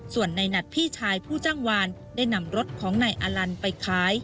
ส่วนในหนัดพี่ชายผู้จ้างวานได้นำรถของนายอลันไปขาย